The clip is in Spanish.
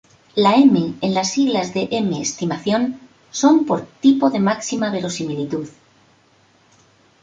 La M en las siglas de M-estimación son por "Tipo de máxima verosimilitud".